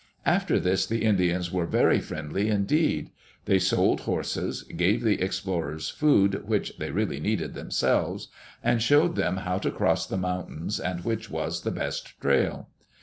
After this the Indians were very friendly indeed. They sold horses, gave the explorers food which they really needed themselves, and showed them how to cross the mountains and which was the best trail.